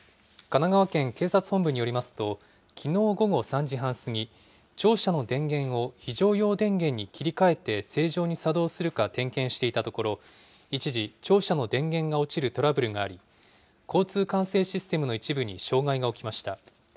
神奈川県警察本部によりますと、きのう午後３時半過ぎ、庁舎の電源を非常用電源に切り替えて正常に作動するか点検していたところ、一時、庁舎の電源が落ちるトラブルがあり、交通管制システムの一部に障害が起きました。